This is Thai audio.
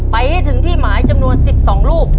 ไปให้ถึงที่หมายจำนวน๑๒รูป